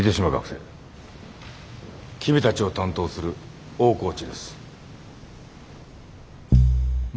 君たちを担当する大河内です。